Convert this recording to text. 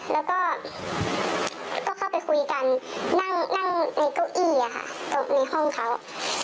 แล้วก็เข้าไปคุยกันนั่งในเก้าอี้ค่ะในห้องเขา